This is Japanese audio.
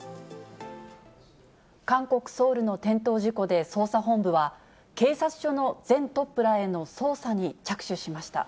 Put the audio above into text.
韓国・ソウルの転倒事故で捜査本部は、警察署の前トップらへの捜査に着手しました。